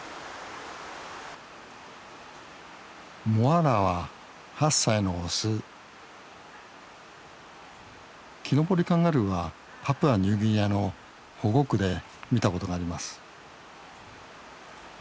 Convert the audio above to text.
モアラは８歳のオスキノボリカンガルーはパプアニューギニアの保護区で見たことがあります